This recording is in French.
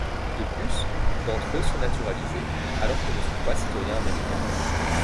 De plus, d'entre eux sont naturalisés, alors que ne sont pas citoyens américains.